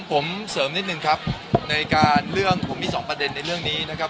ผมเสริมนิดนึงครับในการเรื่องผมมีสองประเด็นในเรื่องนี้นะครับ